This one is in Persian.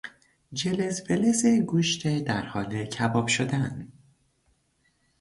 جلز ولز گوشت در حال کباب شدن